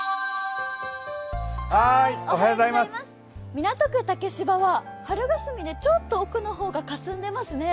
港区竹芝は春がすみでちょっと奥の方がかすんでますね。